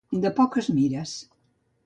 De poques mires.